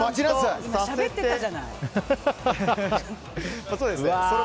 今、しゃべってたじゃない！